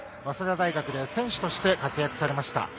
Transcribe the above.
早稲田大学で選手として活躍されました。